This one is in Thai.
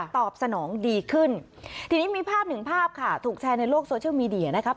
ตอบสนองดีขึ้นทีนี้มีภาพหนึ่งภาพค่ะถูกแชร์ในโลกโซเชียลมีเดียนะครับ